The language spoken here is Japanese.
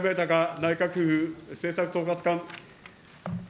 内閣府政策統括官。